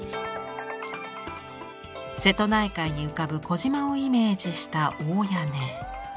瀬戸内海に浮かぶ小島をイメージした大屋根。